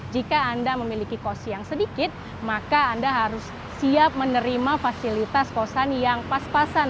jika anda memiliki kos yang sedikit maka anda harus siap menerima fasilitas kosan yang pas pasan